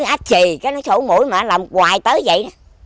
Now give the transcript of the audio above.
ách chì cái nó sổ mũi mà làm hoài tới vậy